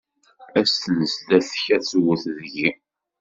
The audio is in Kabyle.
Ass-n zdat-k ad tewwet deg-i.